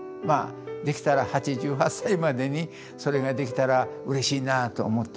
まあできたら８８歳までにそれができたらうれしいなと思ってるんです。